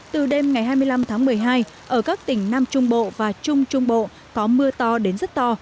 từ đêm ngày hai mươi năm tháng một mươi hai ở các tỉnh nam trung bộ và trung trung bộ có mưa to đến rất to